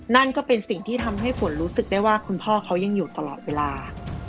นั่นก็เป็นสิ่งที่ทำให้ฝนรู้สึกได้ว่าคุณพ่อเขายังอยู่ตลอดเวลา